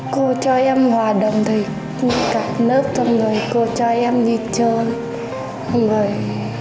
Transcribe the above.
cô cho em hòa đồng thì cả lớp trong người cô cho em như chơi